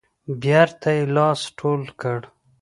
بیرته یې لاس ټول کړ.